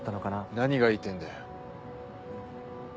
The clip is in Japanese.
何が言いてぇんだよ。